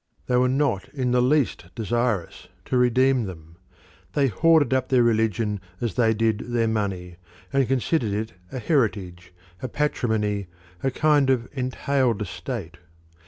They were not in the least desirous to redeem them; they hoarded up their religion as they did their money, and considered it a heritage, a patrimony, a kind of entailed estate.